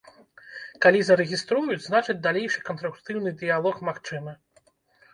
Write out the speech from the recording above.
Калі зарэгіструюць, значыць далейшы канструктыўны дыялог магчымы.